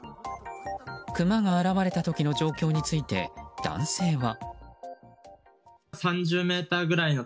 クマが現れた時の状況について男性は。